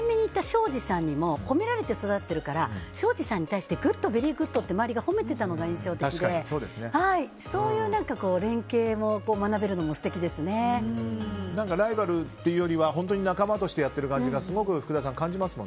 庄司さんにも褒められて育っているから庄司さんにベリーグッドって周りが褒めていたのが印象的でそういう連携を学べるのがライバルというより本当に仲間としてやってる感じを感じますもんね、福田さん。